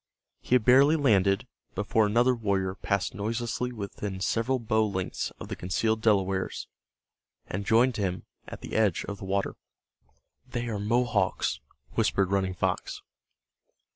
He had barely landed before another warrior passed noiselessly within several bow lengths of the concealed Delawares, and joined him at the edge of the water. "They are Mohawks," whispered Running Fox.